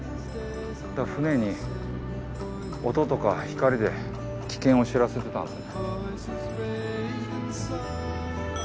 船に音とか光で危険を知らせてたんですね。